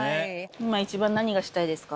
今一番何がしたいですか？